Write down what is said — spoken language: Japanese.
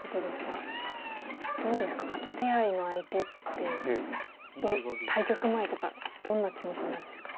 どうですか初手合の相手って対局前とかどんな気持ちになるんですか？